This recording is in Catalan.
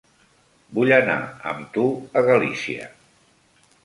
Vull anar amb tu a Galícia.